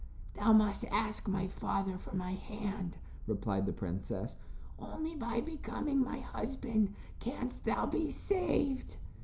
"Thou must ask my father for my hand," replied the princess. "Only by becoming my husband canst thou be saved."